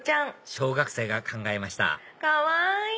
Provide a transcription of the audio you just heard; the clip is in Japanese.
小学生が考えましたかわいい！